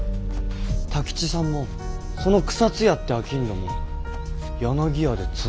太吉さんもその草津屋って商人も柳屋でつながってる。